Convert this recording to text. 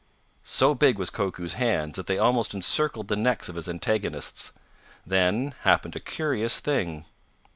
So big was Koku's hands that they almost encircled the necks of his antagonists. Then happened a curious thing.